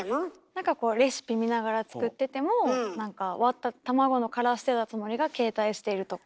なんかこうレシピ見ながら作ってても割った卵の殻捨てたつもりが携帯捨てるとか。